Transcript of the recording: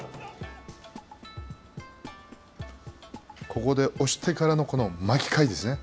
ここで押してからのこの巻き替えですね。